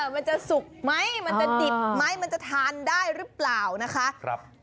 มันจะสุกไหมมันจะดิบไหมมันจะทานได้หรือเปล่านะคะ